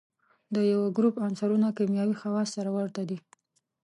د یوه ګروپ عنصرونه کیمیاوي خواص سره ورته دي.